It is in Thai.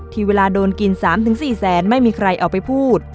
เวลาโดนกิน๓๔แสนไม่มีใครเอาไปพูด